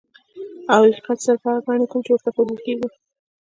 او حقيقت صرف هغه ګڼي کوم چي ورته ښودل کيږي.